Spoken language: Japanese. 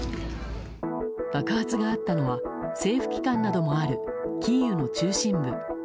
爆発があったのは政府機関などもあるキーウの中心部。